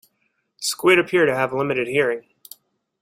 Squid appear to have limited hearing.